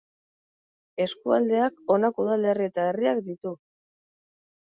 Eskualdeak honako udalerri eta herriak ditu.